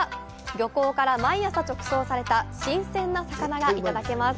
漁港から毎朝直送された新鮮な魚がいただけます。